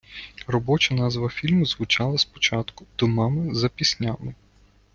Робоча назва фільму звучала спочатку "До мами за піснями".